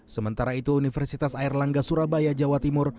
sementara itu universitas air langga surabaya jawa timur